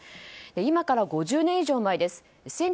今から５０年以上前です